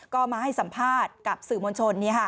ก็มาให้สัมภาษณ์กับสื่อมวลชน